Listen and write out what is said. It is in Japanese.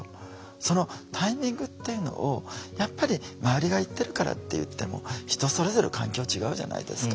そのタイミングっていうのをやっぱり周りが言ってるからっていっても人それぞれ環境違うじゃないですか。